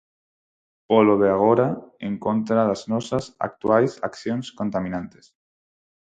Polo de agora, en contra das nosas actuais accións contaminantes.